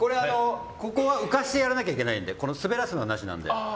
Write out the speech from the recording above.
ここを浮かしてやらなきゃいけないので滑らすのはなしなんで。